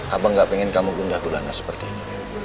abang gak pengen kamu gundah dulana seperti ini